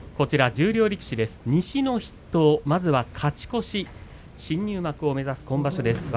十両力士、若元春西の筆頭ですまずは勝ち越し新入幕を目指す今場所です。